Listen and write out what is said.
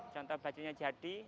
contoh bajunya jadi